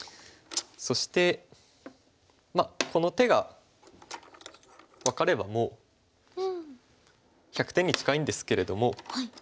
そしてこの手が分かればもう１００点に近いんですけれども。